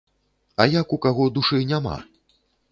А як у каго душы няма?